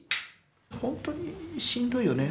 本当にしんどいよね。